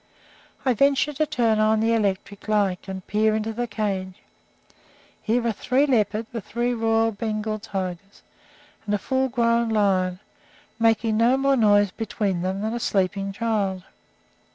I venture to turn on the electric light and peer into the cage. Here are three leopards, the three royal Bengal tigers, and a full grown lion, making no more noise between them than a sleeping child.